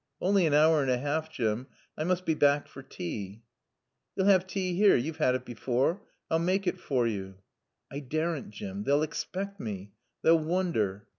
"Only an hour and a half, Jim. I must be back for tea." "Yo'll 'ave tae here. Yo've had it before. I'll maake it for yo." "I daren't, Jim. They'll expect me. They'll wonder."